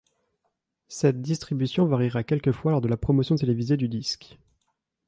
Cette distribution variera quelquefois lors de la promotion télévisée du disque.